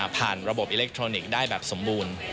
ระบบอิเล็กทรอนิกส์ได้แบบสมบูรณ์